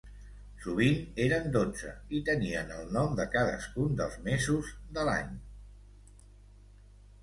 Sovint eren dotze i tenien el nom de cadascun dels mesos de l'any.